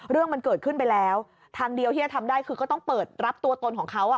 เรื่องมันเกิดขึ้นไปแล้วทางเดียวที่จะทำได้คือก็ต้องเปิดรับตัวตนของเขาอ่ะ